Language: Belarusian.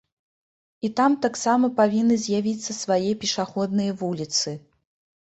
І там таксама павінны з'явіцца свае пешаходныя вуліцы.